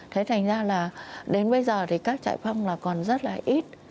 thế thành ra là đến bây giờ thì các trại phong là còn rất là ít